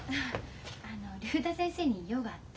あの竜太先生に用があって。